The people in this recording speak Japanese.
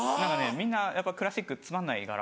みんなやっぱクラシックつまんないから。